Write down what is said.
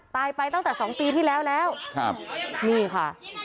ตายไปตั้งแต่๒ปีที่แล้วนี่ค่ะ